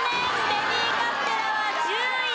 ベビーカステラは１０位です。